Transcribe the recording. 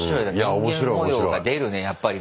人間模様が出るねやっぱり。